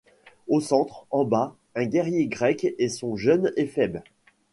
Au centre, en bas, un guerrier grec et son jeune éphèbe.